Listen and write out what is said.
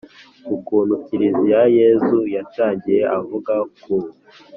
ku kuntu kiliziya ya yezu yatangiye, avuga ku